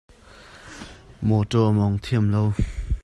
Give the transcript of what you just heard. Mawṭaw a mawng thiam lo.